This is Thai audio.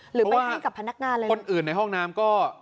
หรือไปให้กับพนักงานเลยคนอื่นในห้องน้ำก็